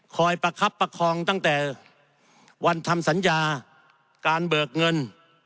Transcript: ประคับประคองตั้งแต่วันทำสัญญาการเบิกเงิน